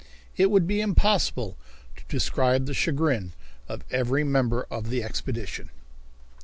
It would be impossible to describe the chagrin of every member of the expedition.